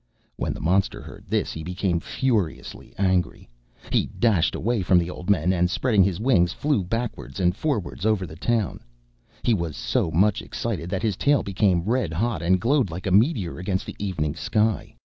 When the monster heard this, he became furiously angry. He dashed away from the old men and, spreading his wings, flew backward and forward over the town. He was so much excited that his tail became red hot, and glowed like a meteor against the evening sky.